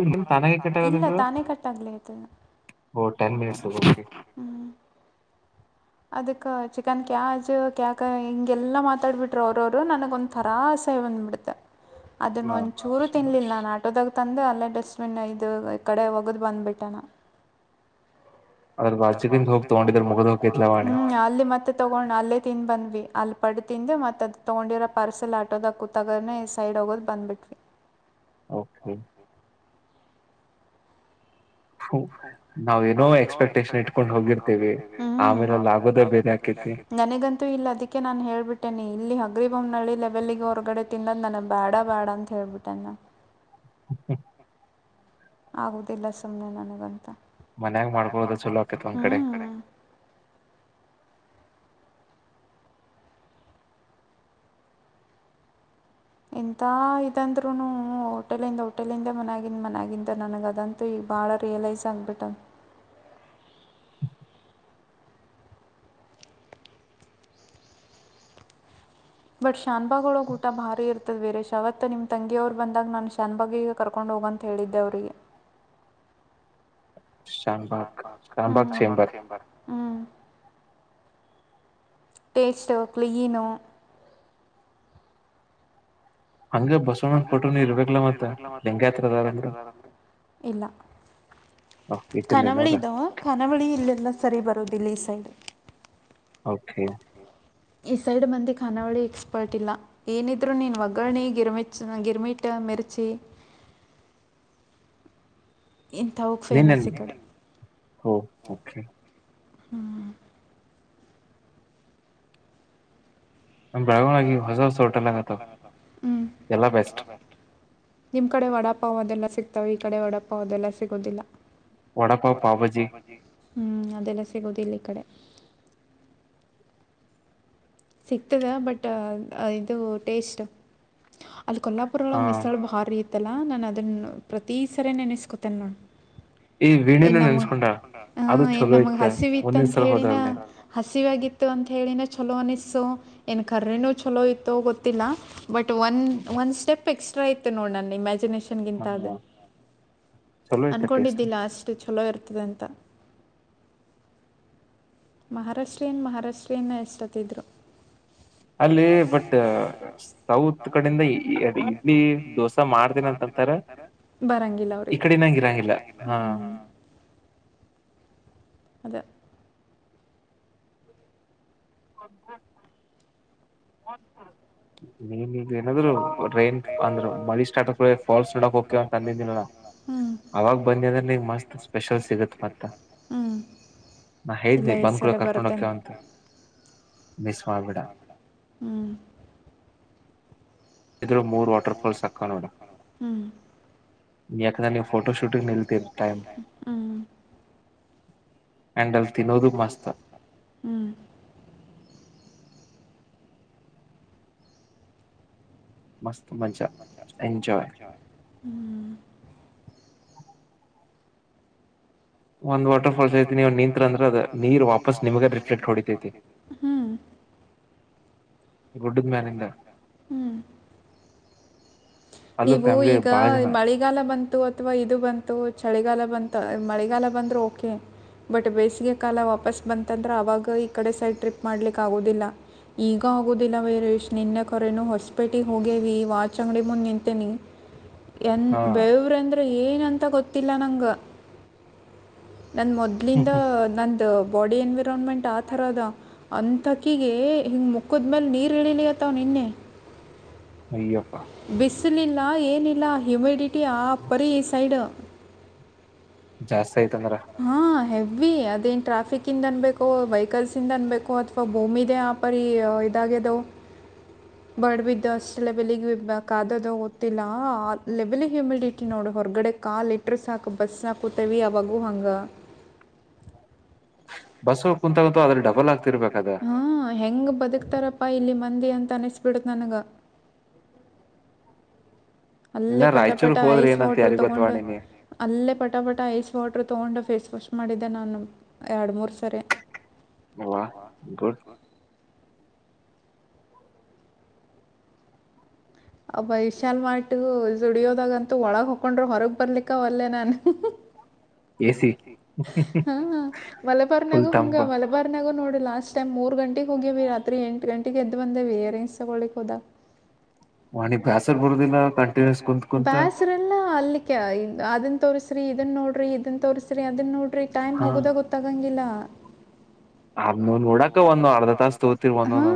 [unintelligible] ಇಲ್ಲ ತಾನೇ ಕಟ್ಟಾಗ್ಲಿಕತದ. ಹೋಟಲ್ [unintelligible] ಹ್ಮ್. [inaudible] ಅದಕ್ ಚಿಕನ್ ಕ್ಯಾಜ್ ಕ್ಯಾಕ ಹಿಂಗೆಲ್ಲಾ ಮಾತಾಡ್ಬಿಟ್ರು ಅವ್ರರು ನನಗೊಂದ್ ಥರಾಸೆ ಬಂದ್ಬಿಡ್ತು. [inaudible] ಅದನ್ನ ಒಂಚೂರು ತಿನ್ಲಿಲ್ಲ ನಾನ ಆಟೋದಾಗ ತಂದು ಅಲ್ಲೇ ಡಸ್ಟ್ಬಿನ್ ಇದು ಈ ಕಡೆ ಒಗದ್ ಬಂದ್ಬಿಟ್ಟಾನಾನ. ಅದರ್ಬಾಜು ನಿಂತ ತೊಗೊಂಡಿದ್ರ ಮುಗದಹೊಕ್ಕಿತ್ ಹ್ಮ್ ಅಲ್ಲಿ ಮತ್ತ ತಗೊಂಡ್ ಅಲ್ಲೇ ತಿಂದ್ ಬಂದ್ವಿ ಅಲ್ಲಿ ಪಡ್ ತಿಂದ ಮತ್ ಅದು ತಗೊಂಡಿರೋ ಪಾರ್ಸೆಲ್ ಆಟೋದಕೊಟ್ ತಗನ ಈಸೈಡ್ ಒಗದ್ ಬಂದ್ಬಿಟ್ಯ. ಓಕೆ. ಹೌ ನಾವ್ ಏನೋ ಎಕ್ಸ್ಪೆಕ್ಟೇಷನ್ ಇಟ್ಕೊಂಡ್ ಹೋಗಿರ್ತೀವಿ ಆಮೇಲೆ ಅಲ್ಲಾಗೋದೆ ಬೇರೆ ಆಕೈತಿ. ನನಗಂತೂ ಇಲ್ಲ ಅದಕ್ಕೆ ನಾನು ಹೇಳ್ಬಿಟ್ಟೇನಿ ಇಲ್ಲಿ ಹಂಗ್ರಿಬೋನಳ್ಳಿ ಲೆವೆಲ್ಗೆ ಹೊರಗಡೆ ತಿನ್ನೋದ ನನಗ ಬ್ಯಾಡ ಬ್ಯಾಡ ಅಂತ. ಹೇಳ್ ಬುಟ್ಟೇನ್ ನಾ. ಹ ಆಗುದಿಲ್ಲ ಸುಮ್ನೆ ನನಗಂತು ಮನ್ಯಾಗ ಮಾಡ್ಕೊಳ್ಳದೆ ಚೊಲೈತಿ ಹ್ಮ್. ಇಂತಾ ಇದಂದ್ರುನು ಹೋಟೆಲಿಂದು ಹೋಟೆಲಿಂದ ಮನ್ಯಾಗಿನ್ ಮನ್ಯಾಗಿಂದ ನನಗ ಅದಂತ ಈಗ ಭಾಳ ರಿಯಲೈಸ್ ಆಗಿಬಿಟ್ಟದ. ಬಟ್ ಶಾನ್ಬಾಗ್ ಒಳಗ ಊಟ ಭಾರಿ ಇರ್ತದ ವೀರೇಶ್ ಅವತ್ತ ನಿಮ್ ತಂಗಿಯವ್ರು ಬಂದಾಗ ನಾನು ಶಾನ್ ಬಾಗಿಗ ಕರ್ಕೊಂಡು ಹೋಗಂತ ಹೇಳಿದ್ದೆ ಅವರಿಗೆ. ಶಾನ್ಬಾಗ್ ಹ್ಮ್ ಶಬಾಗ ಚೆಂಬರ್. Taste clean. ಹಂಗೆ ಬಸ್ ಹಂಗ ಬಸವಣ್ಣನ್ ಫೋಟೊನು ಇರ್ಬೇಕಲ ಮತ್ತ ಲಿಂಗಾಯತರದಾರಂದ್ರ ಇಲ್ಲ. ಖಾನಾವಳಿ ಇದಾವ ಖಾನಾವಳಿ ಇಲ್ಲೆಲ್ಲ ಸರಿ ಬರುದು ಈ ಸೈಡ್. ಓಕೆ. ಈ ಸೈಡ್ ಮಂದಿ ಖಾನಾವಳಿ ಎಕ್ಸ್ಪರ್ಟ್ ಇಲ್ಲ. ಏನಿದ್ರು ನೀನು ಒಗ್ಗರಣೆ ಗಿರ್ಮಿಚ್ ಗಿರಿಮಿಟ್ ಮಿರ್ಚಿ. ಇಂಥವು ಫೇಮಸ್ ಈ ಕಡೆ. ಹೊ ಓಕೆ. ನಾ, ನೀವು, ಹಾ, ಹ್ಮ್ಮ್. [unintelligible] ನಿಮ್ಮ, ಕಡೆ ಒಡಾಪಾವ, ಅದೆಲ್ಲ! ಸಿಗ್ತವೆೆ, ಈ ಕಡೆ, ಒಡಾಪ, ಅದೆಲ್ಲ ಸಿಗೋದಿಲ್ಲ. [inaudible] ವಡಪಾವ, ಪಾಪಾಜಿ. [inaudible] ಹ್ಮ್, ಅದೆಲ್ಲ ಸಿಗೋದು ಇಲ್ಲ, ಈ, ಕಡೆ. [inaudible] ಸಿಗ್ತವೆ, ಬಟ್, ಇದು, ಟೇಸ್ಟ್, ಅದುಕ್ಕೆ, ಅಲ್ಲಾ? [inaudible] ಪಪ್ಪುರೊಳ, ಮಿಶ್ರೆಲ್, ಭಾರಿ ಇತ್ತಲ್ಲ, ನಾನು ಅದನ್ನು ಪ್ರತಿ ಸಲ ನೆನೆಸ್ಕೊತೇನೆ, ನಾನು. [inaudible] ಇನ್, ನಮ್, ನೆನಸಿಕೊಂಡ, ಇನ್ನೂ, ನಮಗ್ ಹಸಿವು, ಇತ್ಯಂತ, ಹೇಳಿನ? [inaudible] ಹಸಿವಾಗಿತ್ತು, ಅಂತೇಳಿನೇ, ಛಲೋ, ಅನಿಸಿಸು ಏನು, ಕರ್ರನೂ ಚಛಲೋ, ಇತ್ತೋ ಗೊತ್ತಿಲ್ಲ? [inaudible] ಬಟ್, ಒಂದು ಒಂದು ಸ್ಟೆಪ್ ಎಕ್ಸ್ಟ್ರಾ! ಇತ್ತು ನೋಡಿ ನನ್ನು ಇಮ್ಯಾಜಿನೇಷನ್ಗಿಂತ ಅದು? [inaudible] ಅಂದ್ಕೊಂಡಿದ್ದಿಲ್ಲ, ಅಷ್ಟು, ಚಲೋ, ಇರ್ತದೆ ಅಂತ? [inaudible] ಮಹಾರಾಷ್ಟ್ರೀಯನ್, ಮಹಾರಾಷ್ಟ್ರೀಯಾನು, ಎಷ್ಟೊತ್ತಿದ್ರು? [inaudible] [unintelligible] [inaudible] ಅಲ್ಲಿ ಬಟ್, ಸೌತ್ ಕಡೆಯಿಂದ, ಇಡ್ಲಿ, ದೋಸೆ, ಮಾಡುತ್ತೀನಿ, ಅನುತಾರ? [inaudible] ಈ, ಕಡೆನಂಗ, ಇರಂಗಿಲ್ಲ, ಹಾ? [inaudible] ಅದೇ? [inaudible] ಒಂದು ಯಾವುದು? [inaudible] ನೀನು ಇದು, ಏನಾದ್ರು? ರೈನ್ ಅಂದ್ರ ಮಳಿ ಸ್ಟಾರಕ ಫಾಲ್ಸ್ ನೋಡಕ್, ಹೋಗ್ತೀನಿ ಅಂದಿದ್ದಲ್ಲ! [inaudible] ಅವಾಗ, ಬಂದಿದ್ರೆ, ನಿಗ್ ಮಸ್ತ್ ಸ್ಪೆಷಲ್, ಸಿಗುತ್ತೆ, ಮತ್ತೆ? [inaudible] ನಾ, ಹೆಡ್ಲುಧಿವಿ, ಬಂದ್, ಕೂಡ ಕರ್ಕೊಂಡೋಗಕ್ಯವಂತೆಂತ? [inaudible] ಮಿಸು, ಮಾಡು, ಬೇಡ, ಹ್ಮ್. [inaudible] ಇದ್ರ, ಮೂರ್, ವಾಟರ್ಪ್ರೂಫ್, ಸಾಕಾಗಲ್ಲ? [inaudible] ಯಾಕಲಾ, ನೀವು, ಫೋಟೋ, ಷೂಟ್, ಗೈ, ನಿಂತಿರುತ್ತೆ, ಹ್ಮ್ಮ್? [inaudible] ನನಗೆ, ಅಲ್ಲೀ, ತಿನೋಧು, ಮಸ್ತು? [inaudible] ಹ್ಮ್? [inaudible] ಮಸ್ತ್, ಮಜಾ ಎಂಜೋಯ್! [inaudible] ಯಾ, ಹ್ಮ್. [inaudible] ಒಂದ್ ವಟರ್ಫಲ್ಸ, ಹೇಳುತ್ಹಿನಿ, ನಿಂತ್ ಅಂದ್ರೆದ ನೀರ್ ವಾಪಸ್, ನಿಮ್ಗೆ, ರಿಫ್ಲೆಕ್ಸ್, ವಾಡಿತೀ! [inaudible] ದುಡ್ಡುಗೈ, ಮ್ಯಾರೇಜ್, ಹಾ, ಹ್ಮ್. [unintelligible] ನೀವು, ಈಗ ಮಳೆಗೆ? [inaudible] ಜ್ಞಾನಬಂತು, ಅಥವಾ, ಇದು, ಬಂತು, ಚಳಿಬಂತು, ಮಳೆಗಾಲ ಬಂದ್ರೆ ಓಕೆ? [inaudible] ಬಟ್, ಬೇಸಿಗೆ ಕಾಲ, ಬಂತುಅಂಡ್ರೆ, ವಾಪಸ್ ಬಂತಂದ್ರೆ, ಆವಾಗ, ಈ, ಕಡೆ, ಸೈಡ್, ಟ್ರಿಪ್ ಮಾಡ್ಲಿಕ್ಕೆ, ಆಗೋದಿಲ್ಲ? [inaudible] ಈಗ, ಆಗೋದಿಲ್ಲ, ವೈರೇಶ್ ನಿನ್ನೆ ಕೊರೆನು ಹೊಸಪೇಟೆಗೆ ಹೋಗೇವಿ ವಾಚ್ ಅಂಗಡಿ! [inaudible] ಮುಂದೆ, ನಿಂತೇನಿ, ಏನ್ ಬೆಳವರುಂದ್ರೆ, ಏನಂತ, ಗೊತ್ತಿಲ್ಲ, ನಂಗ. [inaudible] ನನ್, ಮೊದ್ಲಿಂದ, ನಂದು, ಬಾಡಿ ಎನ್ವಿರಾನ್ಮೆಂಟ್, ಆ, ತರದು? [inaudible] ಅಂತಕಿಗೆ, ಹಿಂಗು, ಮುಕ್ಕದ್ಮೇಲೆ, ನೀರು, ಇಳಿಲಿ ಅತ್ತವ, ನಿನ್ನೆ. [inaudible] ಅಯ್ಯಾ, ಅಪ್ಪ? [inaudible] ಬಿಸಿಲಿಲ್ಲ, ಏನಿಲ್ಲ, ಹ್ಯುಮಿಡಿಟಿ! ಆ ಪರಿ ಈ ಸೈಡು. [inaudible] ಜಾಸ್ತಿ, ಆಯ್ತಂದ್ರ! [inaudible] ಹಾ, ಹೆವಿ, ಅದೇನು, ಟ್ರಾಫಿಕ್ಕಿಂದ ಅನ್ಬೇಕು, ವೆಹಿಕಲ್, ಅನ್ಬೇಕು ಅಥವಾ ಭೂಮಿದೆೇ, ಹ? [inaudible] ಪರಿಯೊ, ಇದಾಗದು? [inaudible] [unintelligible] [inaudible] ಬಡವಿ, ದಾಸು, ಲೆವೆಲ್ಗೆ, ಬಿದ್ದು, ಅಷ್ಟು ಲೆವೆಲಿಗೆ, ಕಾಡಿದು, ನೋಡಿಲ್ಲ, ಆ, ಲೆವೆಲಿಗೆ ಹ್ಯುಮಿಡಿಟಿ, ನೋಡಿ ಹೊರಗಡೆ? [inaudible] ಕಾಲು, ಇಟ್ರೆ, ಸಾಕು, ಬಸ್ಸ್ಟಾಪ್, ಆವಾಗೂ ಹಂಗ? [inaudible] ಬಾಸ್. [unintelligible] ಬಸ್ಗಾ, ಕುಂತು, ಡಬಲ್, ಆಗುತ್ತಾ, ಇರುಬೆಕ್ಕ, ಹೆಂಗು, ಬದುಕೂ! [inaudible] ಇರ್ತಾರಪ್ಪಾ ಇಲ್ಲಿ ಮಂದಿ ಅಂತ ಅನ್ನಿಸ್ಬಿಡುತ್ತ ನನಗ. ಅಲ್ಲೇ ಪಟ ಪಟ ಐಸ್ ವಾಟರ್ ತಗೊಂಡು. ಅಲ್ಲೇ ಪಟಪಟ ಐಸ್ ವಾಟರ್ ತಗೊಂಡು ಫೇಸ್ ವಾಶ್ ಮಾಡಿದ್ದೆ ನಾನು ಎರಡು ಮೂರ್ ಸರೆ. ವಾ ಗುಡ್. ಅಬ್ಬ ವಿಶಾಲ್ ಮಾರ್ಟ್ ಜೂ ಡಿಯೋದಾಗಂತೂ ಒಳಗ ಹೊಕೊಂಡರು ಹೊರಗ್ ಬರ್ಲಿಕ್ಕ ಒಲ್ಲೆ ನಾನು. ಹಾ ಹಾ ಮಲಬಾರನಗು ಹಂಗ ಮಲಾ. ಗುಲಬರ್ಗನ್ಯಾಗ ನೋಡಿಲಾ ಲಾಸ್ಟ್ ಟೈಮ್ ಮೂರ್ ಗಂಟೆಗ ಹೋಗಿವಿ ರಾತ್ರಿ ಎಂಟ್ ಗಂಟೆಗೆ ಎದ್ದ ಬಂದಿವಿ ರಿಂಗ್ಸ್ ತಗೊಳ್ಳಿಕ ಹೋದಾಗ. ವಾಣಿ ಬೇಸರ್ ಬರೋದಿಲ್ಲ ಕಂಟಿನ್ಯೂಸ್ ಕುಂತ ಕುಂತ. ಇಲ್ಲ ಅಲ್ಲಿಕ್ಕ ಅದನ್ ತೋರಿಸ್ರಿ ಇದನ್ನ ನೋಡ್ರಿ ಇದನ್ ತೋರಿಸ್ರಿ ಅದನ್ನ ನೋಡ್ರಿ ಟೈಮ್ ಹೋಗದಾ ಹೊಗದ. ತಗಂಗಿಲ್ಲ ಹ.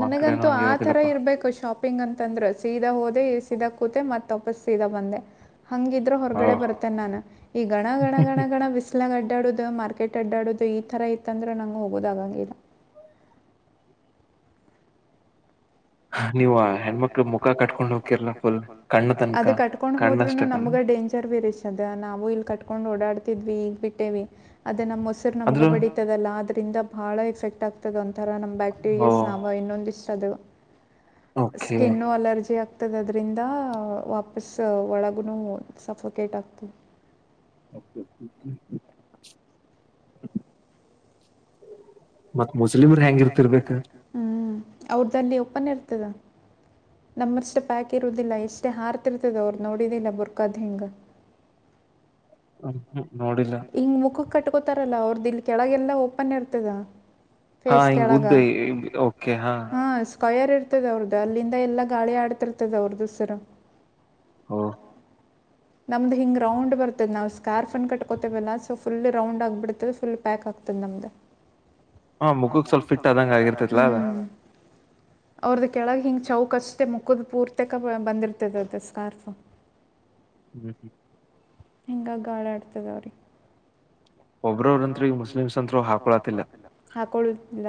ನನಗಂತೂ ಆಥರ ಇರಬೇಕು ಶಾಪ್. ಶಾಪಿಂಗ್ ಅಂತಂದ್ರ ಸೀದಾ ಹೋದೆ ಸೀದ ಕೂತೆ ಮತ್ತ ವಾಪಸ್ ಸೀದಾ ಬಂದೆ ಹಂಗ. ಹೊರಗಡೆ ಬರ್ತೇನೆ ನಾನ ಈ ಗಣ- ಗಣ ಗಣ- ಗಣ ಬ- ಕತ್ಲಾಗ ಅಡ್ಯಾಡದು ಮಾರ್ಕೆಟ್ ಅಡ್ಯಾಡದು ಈ ಥರ ಇತ್ತಂದ್ರೆ ನಂಗೆ ಹೋಗೋದ ಹಾಗಂಗಿಲ್ಲ. ನೀವ ಹೆಣ್ಣು ಮಕ್ಕಳು ಮುಖ ಕಟ್ಕೊಂಡ್ ಹೊಕಿರಲ ಫುಲ್ ಅದು ಕಟ್ಕೊಂಡು ಹೋದ್ರುನು ನಮಗ ಡೇಂಜರ್. ವಿಚಾರ ಬೇರೆ ಸದ್ದಾ ನಾವು ಇಲ್ಲಿ ಕಟ್ಕೊಂಡ್ ಓಡಾಡ್ತಿದ್ವಿ ಈಗ್ ಬಿಟ್ಟೇವಿ ಅದು ನಮ್ಮ ಉಸುರು ನಮಗ ಬಡಿತದ. ತದಲ್ಲ ಆದ್ರಿಂದ ಬಹಳ ಎಫೆಕ್ಟ್ ಆಗ್ತದ ಒಂಥರ ನಮ್ ಬ್ಯಾಕ್ಟೀರಿಯಸ್ ಆವಾ ಇನ್ನೊಂದಿಷ್ಟ ಅದು. ಸ್ಕಿನ್ ಅಲರ್ಜಿ ಆದ. ಆಗ್ತದ ಅದರಿಂದ ವಾಪಸ್ಸ ಒಳಗ ಸಫಕೇಟ್ ಆಗ್ತದ. [inaudible] ಮತ್ತ ಮುಸ್ಲಿಮರ್ ಹೆಂಗ ಇರ್ತಿರ್ಬೇಕ. ಹ್ಮ್ ಅವ್ರದಲ್ಲಿ ಒಪ್ಪನ್ ಇರ್ತದ. ನಮ್ಮಷ್ಟ ಪ್ಯಾಕ್ ಇರುದಿಲ್ಲ ಎಷ್ಟೇ ಆ ರ್ತಿರ್ತದ ಅವ್ರು ನೋಡಿದಿಲ್ಲ ಬುರ್ಕಾದ್ ಹಿಂಗ. ಹ ಹ್ಮ್ ನೋಡಿಲ್ಲ. ಹಿಂಗ ಮುಖಕ್ಕ ಕಟ್ಕೋತಾರಲ್ಲಾ ಅವ್ರದ ಇಲ್ ಕೆಳಗೆಲ್ಲ ಓಪನ್ ಇರ್ತದ. ಫೇಸ್ ಕೆಳಗ ಹ. ಪೈಯರ್ ಇರ್ತದ ಅವ್ರದ್ದ ಅಲ್ಲಿಂದ ಎಲ್ಲ ಗಾಳಿ ಆಡ್ತಿರ್ತದ ಅವ್ರದ ಸರ್. ಹ. ನಮ್ದ ಹಿಂಗ ರೌಂಡ್ ಬರ್ತದ ನಾವು ಸ್ಕಾರ್ಫನ್ ಕಟ್ಕೋತೇವಲ್ಲ ಸೊ ಫುಲ್ ರೌಂಡ್ ಆಗ್ಬಿಡತದೆ ಫುಲ್ ಪ್ಯಾಕ್ ಆಗ್ತದ ನಮ್ದ. ಹಾ ಮುಖಕ್ ಸ್ವಲ್ಪ ಫಿಟ್ ಆದಂಗ ಆಗಿರ್ತೈತ್ಲಾ ಅದು. ಅವ್ರದ ಕೆಳಗೆ ಹಿಂಗ ಚೌಕ ಅಷ್ಟೇ ಮುಖ ದ ಪೂರ್ತಕ ಬಂದಿರ್ತದ ಅದು ಸ್ಕಾರ್ಫು. ಹ ಹಮ. ಹಿಂಗಾಗಿ ಗಾಳಿ ಆಡ್ತದ ಅವರಿಗ. ಒಬ್ರವ ಅಂತ್ರು ಮುಸ್ಲಿಮ್ಸ್ ಅಂತ್ರು ಹಾಕೊಳತಿಲ್ಲ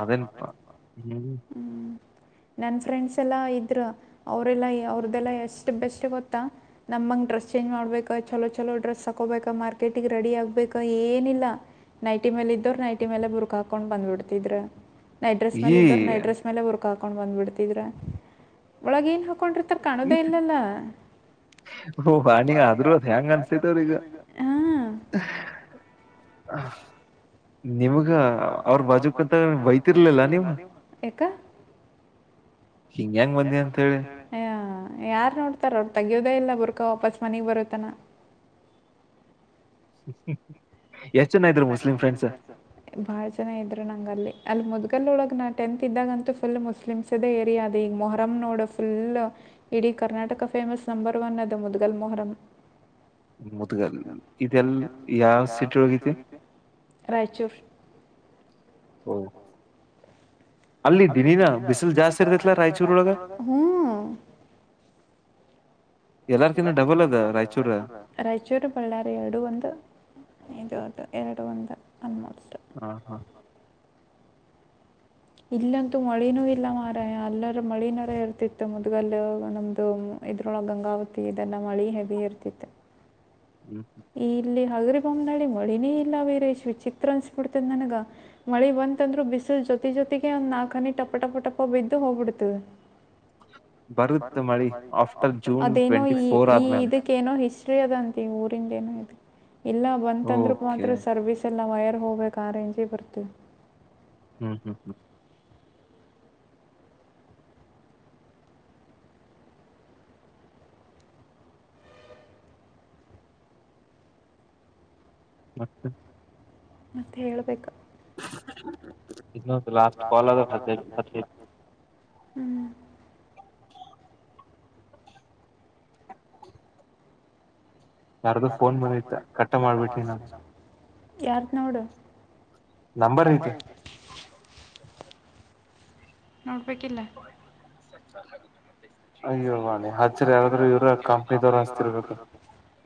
ಅದೇನಪಾ ಹ್ಮ. [inaudible] ನನ್ನ ಫ್ರೆಂಡ್ಸ್ ಎಲ್ಲ ಇದ್ದರ ಅವರೆಲ್ಲ ಅವ್ರದೇಲ್ಲ ಎಷ್ಟ ಬೆಸ್ಟ್ ಗೊತ್ತಾ. ನಮಂಗ ಡ್ರೆಸ್ ಚೇಂಜ್ ಮಾಡ್ಬೇಕಾ ಚಲೋ ಚಲೋ ಡ್ರೆಸ್ ಹಾಕೋಬೇಕಾ ಮಾರ್ಕೆಟಿಗೆ ರೆಡಿ ಆಗ್ಬೇಕ ಏನಿಲ್ಲ. ನೈಟಿ ಮೇಲೆ ಇದ್ದೋರ ನೈಟಿ ಮೇಲೆ ಬುರ್ಕ ಆಕೊಂಡು ಬಂದ ಬಿಡತಿದ್ರ ನೈಟ್ ಡ್ರೆಸ್ ಮೇಲೆ ಇದೋರ ನೈಟ್ ಡ್ರೆಸ್. ಮೇಲೆ ಬುರ್ಕ್ ಹಾಕೊಂಡ್ ಬಂದ್ ಬಿಡ್ತಿದ್ರ ಒಳಗ ಏನ್ ಹಾಕೊಂಡಿರ. ರತ್ತರಾ ಕಾಣುದೇ ಇಲ್ಲಲ್ಲ. ವಾಣಿ ಆದ್ರೂ ಹೆಂಗ ಅನ್ಸಿತದ ಈಗ. [unintelligible] ಹ. ನಿಮ್ಗ ಅವ್ರ ಬಾಜುಕುಂತ ಬೈತಿರ್ಲಿಲ್ಲ ನೀವು. ಹಿಂಗ ಹೆಂಗ ಬಂದಿ ಅಂತ ಹೇಳಿ. ಯ ಯಾರ ನೋಡ್ತಾರ ಅವ್ರು ತೆಗಿಯೋದೇ ಇಲ್ಲ ಬುರ್ಕಾ ವಾಪಸ್ ಮನೆಗ್ ಬರತ್ತಾನ. ಎಷ್ಟ್ ಜನ ಇದ್ರು ಮುಸ್ಲಿಂ ಫ್ರೆಂಡ್ಸ್ ಬಾಳ ಜನ ಇದ್ರು ನಂಗ ಅಲ್ಲಿ ಅಲ್ಲಿ ಮದ್ಗಲ್ ಒಳಗ್ ನಾ ಟೆಂತ್ ಇದ್ದಾಗಂತೂ ಫುಲ್ ಮುಸ್ಲಿಮ್ ಸದ ಏರಿಯದೆ ಈ ಮೊಹರಮನೋಡ ಫುಲ್ ಇಡೀ ಕರ್ನಾಟಕ ಫೇಮಸ್ ನಂಬರ್ ಒನ್ ಅದು ಮುದ್ಗಲ್ ಮೊಹರಂ ಮುದ್ಗಲ್ ಇದೆಲ್ ಯಾವ ಸಿಟಿ ಹೋಗೈತಿ ರಾಯಚೂರು ಹ್ಮ ಅಲ್ಲಿ ದಿನಿನ ಬಿಸಿಲು ಜಾಸ್ತಿ ಇರ್ತತ್ಲ ರಾಯಚೂರ ಒಳಗ ಎಲ್ಲಾರ್ಕಿನ್ನ ಡಬಲ್ ಅದ ರಾಯಚೂರ್ ರಾಯಚೂರು ಬಳ್ಳಾರಿ ಎರಡು ಒಂದು ಇದುಂದು ಎರಡು ಒಂದು ಅಲ್ಮೋಸ್ಟ್ ಹಾ ಹಾ ಇಲ್ಲಂತೂ ಮಳಿನೂ ಇಲ್ಲ ಮಾರಯ ಅಲ್ಲರ ಮಳನರ ಇರ್ತಿತ್ತು ಮದಗಲ್ಲ ನಮ್ಮದು ಇದರೊಳ ಗಂಗಾವತಿ ಇದನ್ನು ಮಳಿ ಹೆವಿ ಇರ್ತಿತೆ ಹ್ಮ್ ಇಲ್ಲಿ ಹಗರಿ ಬೊಂಬನಳಿ ಮಳಿನೇ ಇಲ್ಲ ಬೇರೆ ಶುಚಿಕ್ತ್ರ ಅನಸಬಿಡ್ತದ ನನಗ ಮಳಿ ಬಂತಂದ್ರು ಬಿಸಿಲು ಜೊತಿ ಜೊತೆಗೆ ಒಂದ್ ನಾಲ್ಕ ಹನಿ ಟಪ್ಪ ಟಪ ಟಪ್ಪ ಬಿದ್ದು ಹೋಗ್ಬಿಡ್ತದೆ ಬರುತ್ತೆ ಮಳಿ ಆಫ್ಟರ್ ಜೂನ್ ಟ್ವೆಂಟಿ ಫೋರ್ ಆದ್ಮೇಲೆ ಏನೋ ಹಿಸ್ಟ್ರಿ ಅದಂತ ಊರಿಂದ ಏನೋ ಇ ಇಲ್ಲ ಬಂದ ಅಂದ್ರಕ್ ಮಾತ್ರ ಸರ್ವಿಸ್ ಎಲ್ಲ ವೈರ್ ಹೋಗ್ಬೇಕಾ ರೇಂಜಿ ಬರ್ತ ಹ್ಮ್ ಹ್ಮ್ ಹ್ಮ್ ಮತ್ತ ಮತ್ತೆ ಹೇಳ್ಬೇಕ ಇನ್ನೊಂದು ಲಾಸ್ಟ್ ಕಾಲ್ ಆದ್ರ ಹ ಹ್ಮ್ ಯಾರ್ದು ಫೋನ್ ಬಂದತ ಕಟ್ಟೆ ಮಾಡ್ಬಿಟನಿ ನನ್ ಯಾರದು ನೋಡು ನೋಡ್ಬೇಕಿಲ್ಲ [unintelligible] ಅಯ್ಯೋ ಬಾಣಿ ಹಚ್ಚರ ಯಾರಾದ್ರು ಇವ್ರ ಕಂಪ್ನಿ ದವ್ರು ಹಚ್ತಿರ್ಬೇಕು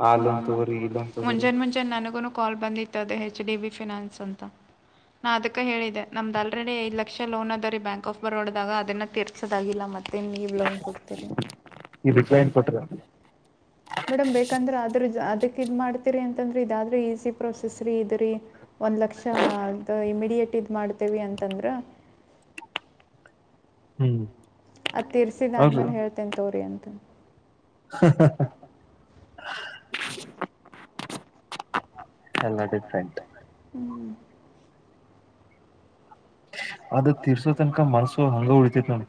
ಅ ಲೋನ್ ತಗೋರಿ ಇ ಲೋನಾ ಅಂತ ತಗೋರಿ ನ್ ನನಗೂನು ಕಾಲ್ ಬಂದಿತ್ತುದೆ ಹೆಚ್ ಡಿ ಬಿ ಫಿನಾನ್ಸ್ ಅಂತ ನಾ ಅದಕ ಹೇಳಿದೆ ನಮ್ದು ಆಲ್ರೆಡಿ ಐದು ಲಕ್ಷ ಲೋನ್ ಅದ ರೀ ಬ್ಯಾಂಕ್ ಆಫ್ ಬರೋಡದಾಗ ಅದನ್ನ ತೀರ್ತ ದಾಗಿಲ್ಲ ಮತ್ತೆನ್ ನೀವ ಲೋನ್ ಕೊಡತೀರಿ ಹೋಗತೀರಿ ಮೇಡಮ್ ಬೇಕಂದ್ರೆ ಆದ್ರ ಅದಕ್ಕೆ ಇದು ಮಾಡ್ತೀರಿ ಅಂತಂದ್ರೆ ಇದಾದ್ರೆ ಈಸಿ ಪ್ರೋಸೆಸ್ರೀ ಇದು ರೀ ಒಂದು ಲಕ್ಷದು ಇಮಿಡಿಯೇಟ್ ಇ ಮಾಡ್ತೇವಿ ಅಂತಂದ್ರೆ ಹ್ಮ್ ಅದು ತೀರ್ಸಿದ ಆದ್ಮೇಲೆ ಹೇಳ್ತೇನ್ ತೋರಿ ಅಂತ ಹ ಎಲ್ಲ ಡಿಫ್ರೆಂಟ್ ಹ್ ಅದ ತಿರ್ಸೋ ತನಕ ಮನ್ಸು ಹಂಗ ಉಳಿತೈತಿ ನಮ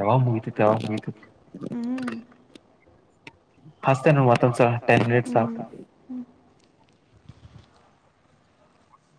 ಯಾವಾಗ್ ಮುಗಿತತಿ ಯಾವಾಗ ಮುಗಿತೈತಿ ಹ್ಮ್ ಹಚಾತಿನಿ ಮಾತ ಒಂದು ಸಲ ಟೆನ್ ಮಿನಿಟ್ಸ್ ಹ್ಮ್